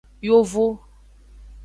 Yovo.